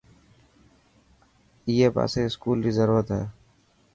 اڻي پاسي اسڪول ري ضرورت هي.